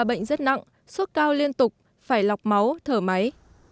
số ca bệnh rất nặng sốt cao liên tục phải lọc máu thở máy